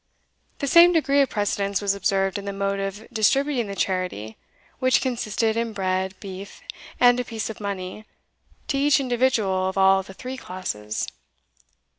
The same degree of precedence was observed in the mode of distributing the charity, which consisted in bread, beef, and a piece of money, to each individual of all the three classes.